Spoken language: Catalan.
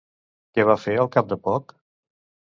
Què va fer al cap de poc?